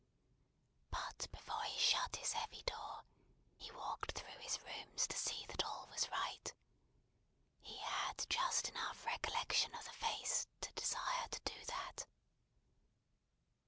But before he shut his heavy door, he walked through his rooms to see that all was right. He had just enough recollection of the face to desire to do that.